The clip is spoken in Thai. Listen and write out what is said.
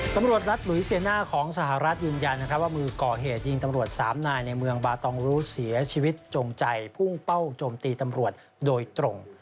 ตำรวจรัฐหลุยเซียน่าของสหรัฐยืนยันว่ามือก่อเหตุยิงตำรวจสามนายในเมืองบาตองรู้เสียชีวิตจงใจพุ่งเป้าโจมตีตำรวจโดยตรง